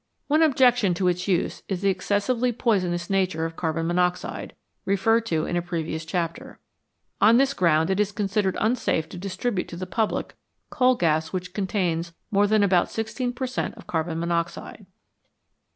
One objection to its use is the excessively poisonous nature of carbon monoxide, referred to in a previous chapter. On this ground it is considered unsafe to dis tribute to the public coal gas which contains more than about 16 per cent, of carbon monoxide.